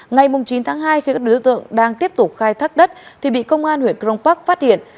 ngày chín tháng hai khi các đối tượng đang tiếp tục khai thác đất thì bị công an huyện crong park phát hiện